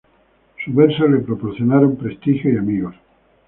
Sus versos le proporcionaron prestigio y amigos.